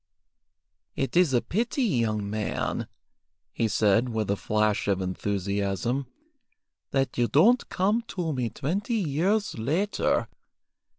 "It is a pity, young man," he said, with a flash of enthusiasm, "that you don't come to me twenty years later.